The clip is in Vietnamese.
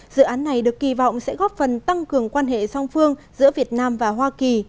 dự án này được kỳ vọng sẽ góp phần tăng cường quan hệ song phương giữa việt nam và hoa kỳ